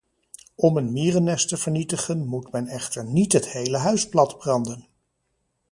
Om een mierennest te vernietigen, moet men echter niet het hele huis platbranden.